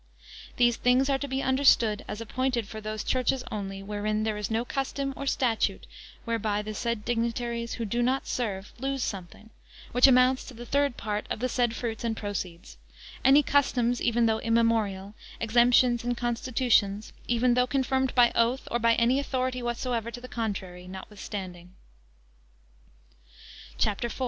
These things are to be understood as appointed for those churches only, wherein there is no custom, or statute, whereby the said dignitaries, who do not serve, lose something, which amounts to the third part of the said fruits and proceeds: any customs, even though immemorial, exemptions, and constitutions, even though confirmed by oath or by any authority whatsoever, to the contrary notwithstanding. [Page 165] CHAPTER IV.